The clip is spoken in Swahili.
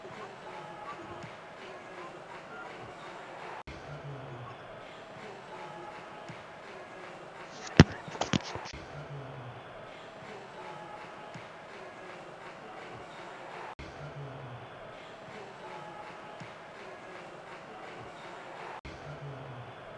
sauti ya afrika Swahili imekua mstari wa mbele katika